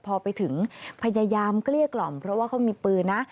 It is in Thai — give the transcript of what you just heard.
พอไปถึงพยายามเกลี้ยกล่อมเพราะว่าเขามีปืนนะ